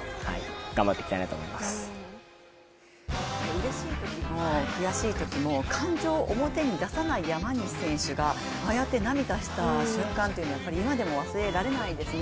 うれしいときも悔しいときも感情を表に出さない山西選手がああやって涙した瞬間っていうのはやっぱり忘れられないですね。